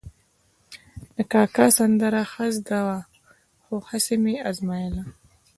د کاکا سندره ښه زده وه، خو هسې مې ازمایله.